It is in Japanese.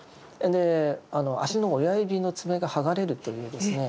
足の親指の爪がはがれるというですね